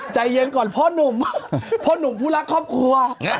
ใจเย็นก่อนพ่อหนุ่มพ่อหนุ่มผู้รักครอบครัว